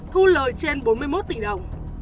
thu lời trên bốn mươi một tỷ đồng